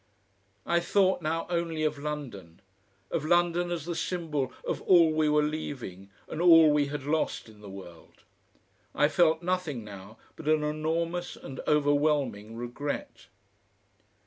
I thought now only of London, of London as the symbol of all we were leaving and all we had lost in the world. I felt nothing now but an enormous and overwhelming regret....